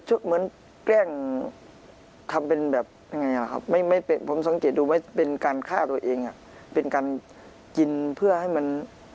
เหมือนแกล้งทำเป็นแบบผมสังเกตุว่าเป็นการฆ่าตัวเองเป็นการกินเพื่อให้มัน